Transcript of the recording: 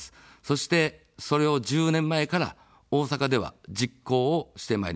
そして、それを１０年前から大阪では実行をしてまいりました。